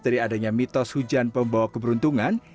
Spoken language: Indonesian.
dan adanya mitos hujan pembawa keberuntungan